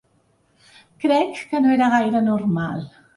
Crec que no era gaire normal.